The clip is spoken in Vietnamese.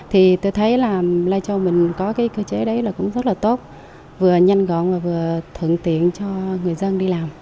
thì tôi thấy là lai châu mình có cơ chế đấy cũng rất là tốt vừa nhanh gọn và vừa thường tiện cho người dân đi làm